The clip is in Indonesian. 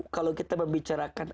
kalau kita membicarakan